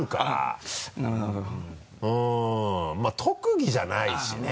まぁ特技じゃないしね